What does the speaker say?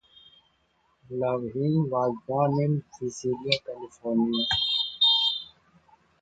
Laughlin was born in Visalia, California.